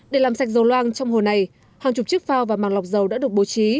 để làm sạch dầu loang trong hồ này hàng chục chiếc phao và màng lọc dầu đã được bố trí